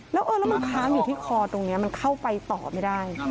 แล้วมันค้างอยู่ที่คอตรงนี้มันเข้าไปต่อไม่ได้